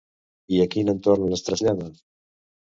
I a quin entorn ens trasllada?